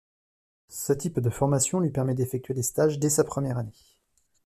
Ce type de formation lui permet d'effectuer des stages dès sa première année.